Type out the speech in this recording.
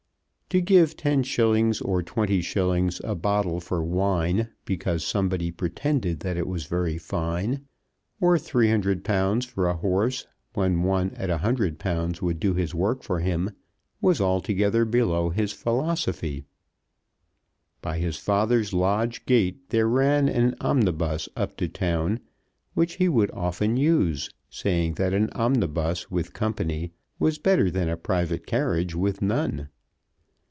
To give 10_s._ or 20_s._ a bottle for wine because somebody pretended that it was very fine, or £300 for a horse when one at a £100 would do his work for him, was altogether below his philosophy. By his father's lodge gate there ran an omnibus up to town which he would often use, saying that an omnibus with company was better than a private carriage with none.